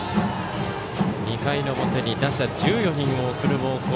２回の表に打者１４人を送る猛攻。